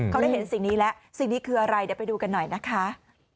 เขาได้เห็นสิ่งนี้แล้วสิ่งนี้คืออะไรเดี๋ยวไปดูกันหน่อยนะคะ